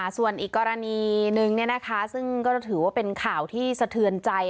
ส่วนอีกกรณีหนึ่งซึ่งก็ถือว่าเป็นข่าวที่สะเทือนใจ